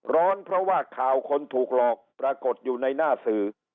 ร้อนเพราะว่าข่าวคนถูกหลอกปรากฏอยู่ในหน้าสื่อ